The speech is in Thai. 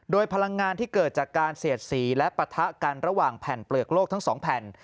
โดยพลังงานที่เกิดจากการเสียดสีและปะทะกันระหว่างแผ่นเปลือกโลกทั้งสองแผ่น